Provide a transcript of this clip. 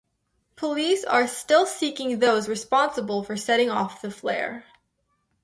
Police are still seeking those responsible for setting off the flare.